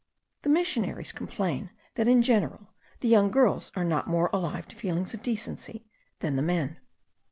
The missionaries complain that in general the young girls are not more alive to feelings of decency than the men.